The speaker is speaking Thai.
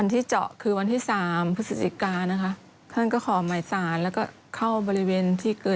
เนี่ยคือการหาน้ำก่อน